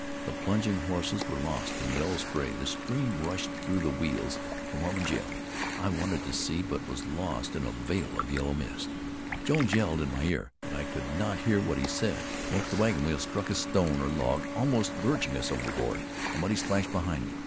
The plunging horses were lost in yellow spray; the stream rushed through the wheels; the Mormons yelled. I wanted to see, but was lost in a veil of yellow mist. Jones yelled in my ear, but I could not hear what he said. Once the wagon wheels struck a stone or log, almost lurching us overboard. A muddy splash blinded me.